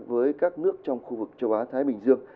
với các nước trong khu vực châu á thái bình dương